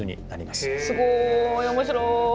すごい面白い。